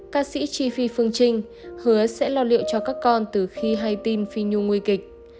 các sĩ tri phi phương trinh hứa sẽ lo liệu cho các con từ khi hay tin phi nhung nguy kịch